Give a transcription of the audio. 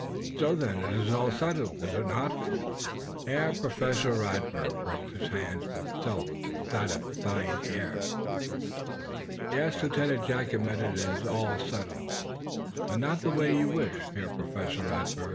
So, then, it is all settled, is it not!" Herr Professor Radberg rubbed his hands with a self satisfied air. "Yes," Lieutenant Jack admitted, "it is all settled. But not the way that you would wish, Herr Professor Radberg.